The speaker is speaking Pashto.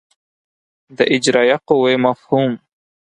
د اجرایه قوې مفهوم